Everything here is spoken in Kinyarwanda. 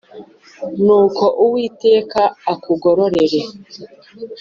Nuko Uwiteka akugororere